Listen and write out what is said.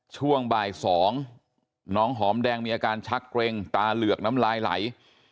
ช่วงบ่าย๒น้องหอมแดงมีอาการชักเกร็งตาเหลือกน้ำลายไหล